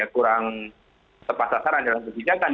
kurang sepasasaran dalam kebijakan